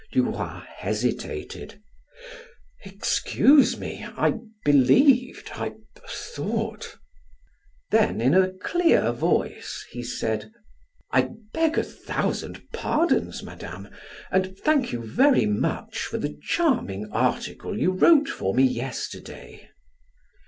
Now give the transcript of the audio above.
Duroy hesitated: "Excuse me. I believed I thought " Then, in a clear voice, he said: "I beg a thousand pardons, Madame, and thank you very much for the charming article you wrote for me yesterday."